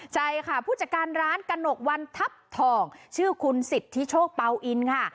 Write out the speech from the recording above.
ใช่ค่ะผู้จัดการร้านกระหนกวันทัพทองชื่อคุณสิทธิโชคเป่าอินค่ะ